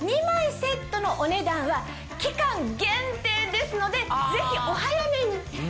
２枚セットのお値段は期間限定ですのでぜひお早めに！